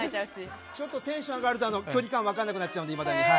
ちょっとテンションが上がると距離感が分からなくなるのでいまだに。